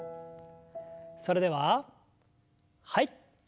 それでははい。